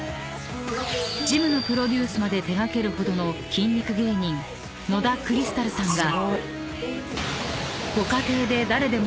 ［ジムのプロデュースまで手掛けるほどの筋肉芸人野田クリスタルさんが］